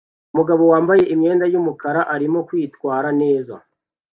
Umugabo wambaye imyenda yumukara arimo kwitwara neza